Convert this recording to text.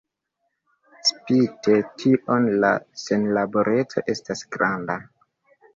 Spite tion la senlaboreco estas granda.